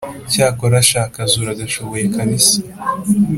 Cyakora sha akazi uragashoboye kabisa